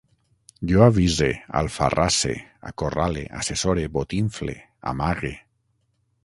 Jo avise, alfarrasse, acorrale, assessore, botinfle, amague